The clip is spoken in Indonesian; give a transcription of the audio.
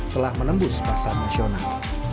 telah menembus pasar nasional